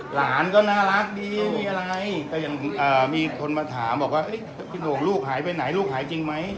หลานก็น่ารักดีมีอะไรก็ยังมีคนมาถามบอกว่าพี่โหน่งลูกหายไปไหนลูกหายจริงไหม